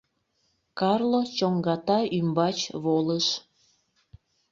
Карло чоҥгата ӱмбач волыш.